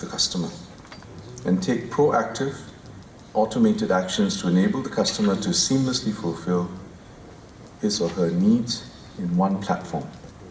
dan mengambil tindakan proaktif dan otomatis untuk membolehkan pelanggan untuk mencapai kebutuhan atau kebutuhan dalam satu platform